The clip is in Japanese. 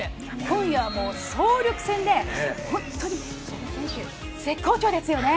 今夜は総力戦で本当に古賀選手、絶好調ですよね。